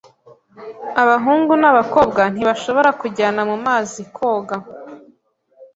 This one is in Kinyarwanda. Abahungu n’abakobwa ntibashobora kujyana mu mazi koga,